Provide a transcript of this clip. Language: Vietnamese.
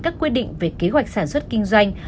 các quy định về kế hoạch sản xuất kinh doanh